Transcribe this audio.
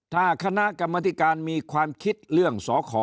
ถ้าคณะกรรมธิการมีความคิดเรื่องสอขอ